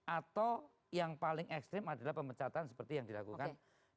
atau yang paling ekstrim adalah pemecatan seperti yang dilakukan